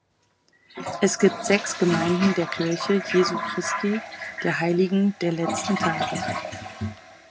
Es gibt sechs Gemeinden der Kirche Jesu Christi der Heiligen der Letzten Tage.